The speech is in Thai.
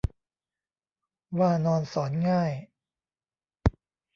ว่านอนสอนง่าย